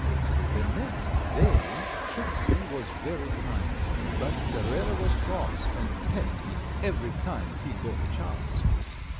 The next day Tricksey was very kind to me, but Cervera was cross and pecked me every time he got a chance.